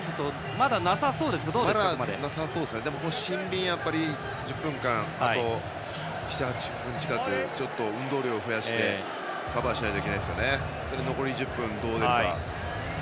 まだなさそうですがでも、１０分間のシンビンあと７８分近くを運動量を増やしてカバーしないといけませんので残り１０分でどうなるか。